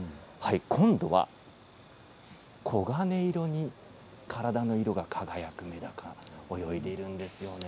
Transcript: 今度は黄金色に体の色が輝くめだか泳いでいます。